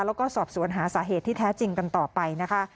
แล้วก็สอบสวนหาสาเหตุที่แท้จริงกันต่อไปนะคะ